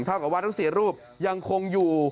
เท่ากับว่าทุกเสียรูปยังคงอยู่